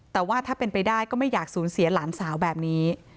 แต่ว่าถ้าเป็นไปได้ก็ไม่อยากสูญเสียหลานสาวแบบนี้